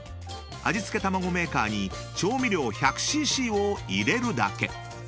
［味付けたまごメーカーに調味料１００ｃｃを入れるだけ］